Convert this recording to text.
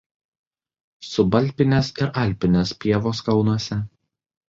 Subalpinės ir alpinės pievos kalnuose.